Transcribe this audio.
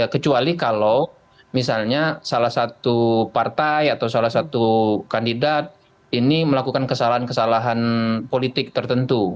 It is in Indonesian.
kecuali kalau misalnya salah satu partai atau salah satu kandidat ini melakukan kesalahan kesalahan politik tertentu